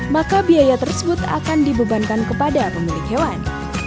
maka biaya tersebut akan dibebankan kepada pemilik hewan